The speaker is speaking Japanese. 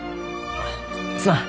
すまん。